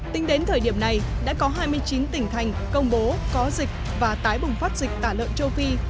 tính đến thời điểm này đã có hai mươi chín tỉnh thành công bố có dịch và tái bùng phát dịch tả lợn châu phi